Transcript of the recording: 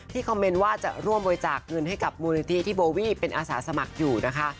คอมเมนต์ว่าจะร่วมบริจาคเงินให้กับมูลนิธิที่โบวี่เป็นอาสาสมัครอยู่นะคะ